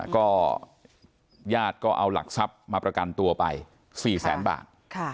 ก็ญาติก็เอาหลักทรัพย์มาประกันตัวไป๔แสนบาท